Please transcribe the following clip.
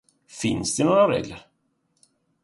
Finns det några regler?